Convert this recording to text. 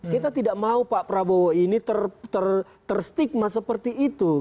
kita tidak mau pak prabowo ini terstigma seperti itu